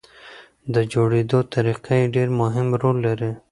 د جوړېدو طریقه یې ډېر مهم رول لري.